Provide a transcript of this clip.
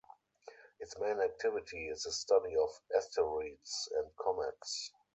Its main activity is the study of asteroids and comets.